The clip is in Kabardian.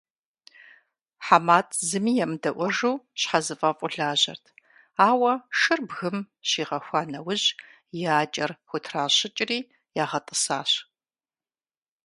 ХьэматӀ зыми емыдэӀуэжу щхьэзыфӀэфӀу лажьэрт, ауэ шыр бгым щигъэхуа нэужь, и акӀэр хутращыкӀри ягъэтӀысащ.